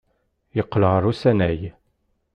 Yeqqel ɣer usanay.